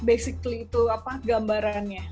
basically itu gambarannya